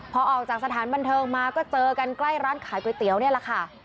พอออกจากสถานบันเทิงมาก็เจอกันใกล้ร้านขายก๋วยเตี๋ยวนี่แหละค่ะ